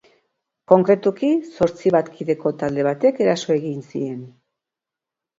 Konkretuki, zortzi bat kideko talde batek eraso egin zien.